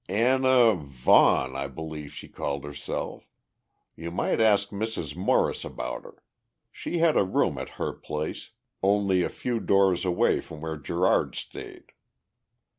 "Anna Vaughan, I b'lieve she called herself. You might ask Mrs. Morris about her. She had a room at her place, only a few doors away from where Gerard stayed."